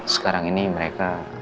sekarang ini mereka